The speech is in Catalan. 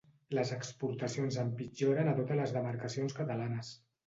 Les exportacions empitjoren a totes les demarcacions catalanes.